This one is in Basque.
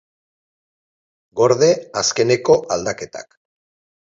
Gorde azkeneko aldaketak.